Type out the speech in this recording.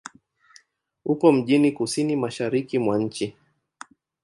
Upo mjini kusini-mashariki mwa nchi.